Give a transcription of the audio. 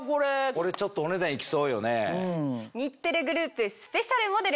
これちょっとお値段いきそうよね。